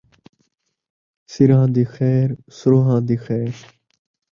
سِراں دی خیر، سروہاں دی خیر